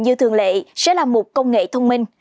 như thường lệ sẽ là một công nghệ thông minh